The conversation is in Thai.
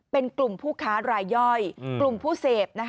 เป็นกลุ่มผู้ค้ารายย่อยกลุ่มผู้เสพ